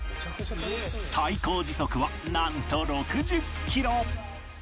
最高時速はなんと６０キロ！